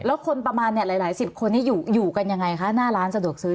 แล้วคนประมาณหลายสิบคนนี้อยู่กันยังไงคะหน้าร้านสะดวกซื้อ